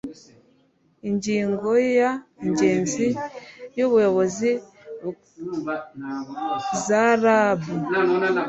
Ingingo ya Inzego z Ubuyobozi za RAB